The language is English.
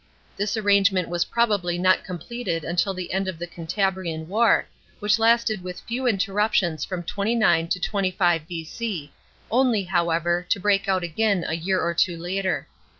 This arrangement was probably not completed until the end of the Gantabrian war, which lasted with few interruptions from 29 to 25 B.C., only, however, to break out again a year or two later.